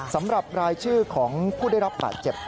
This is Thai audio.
สำหรับรายชื่อของผู้ได้รับบาดเจ็บ